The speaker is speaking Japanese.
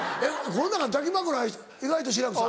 この中で抱き枕意外と志らくさん。